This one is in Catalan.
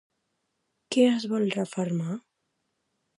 Què es vol refermar?